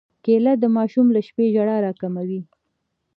کېله د ماشوم له شپې ژړا راکموي.